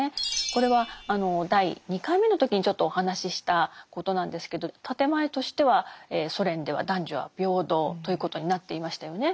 これは第２回目の時にちょっとお話ししたことなんですけど建て前としてはソ連では男女は平等ということになっていましたよね。